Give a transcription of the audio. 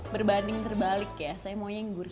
berbanding terbalik ya saya maunya yang gurih